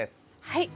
はい。